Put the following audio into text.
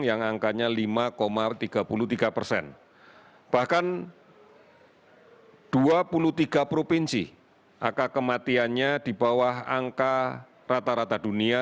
yang angkanya lima tiga puluh tiga persen bahkan dua puluh tiga provinsi angka kematiannya di bawah angka rata rata dunia